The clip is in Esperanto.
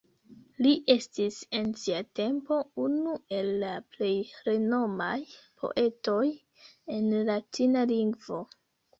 Li estis en sia tempo unu el la plej renomaj poetoj en latina lingvo.